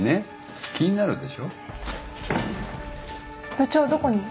部長どこに？